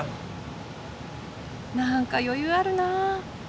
何か余裕あるな。